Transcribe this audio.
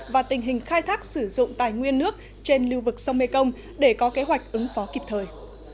và tình hình khai thác sử dụng tài nguyên nước trên lưu vực sông mekong để có kế hoạch ứng phó kịp thời